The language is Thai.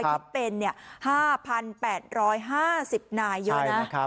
ที่เป็น๕๘๕๐นายเยอะนะ